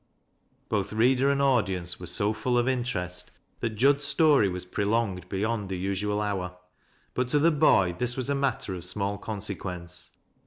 Both reader and audience were so full of interest thai Jud's story was prolonged beyond the usual hour. But to the boy, this was a matter of small consequence.